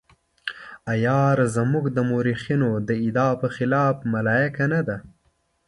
عیار زموږ د مورخینو د ادعا په خلاف ملایکه نه ده.